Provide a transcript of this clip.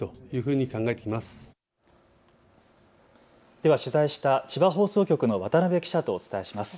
では取材した千葉放送局の渡辺記者とお伝えします。